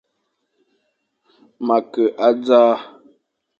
Ma ke a dzaʼa.